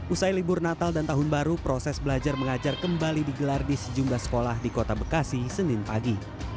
usai libur natal dan tahun baru proses belajar mengajar kembali digelar di sejumlah sekolah di kota bekasi senin pagi